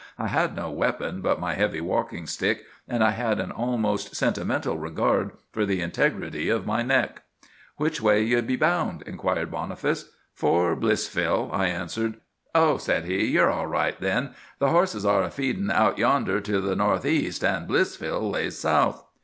I had no weapon but my heavy walking stick, and I had an almost sentimental regard for the integrity of my neck. "'Which way be you bound?' inquired Boniface. "'For Blissville,' I answered. "'Oh,' said he, 'you're all right then. The horses are feedin' out yonder to the no'th east, an' Blissville lays south.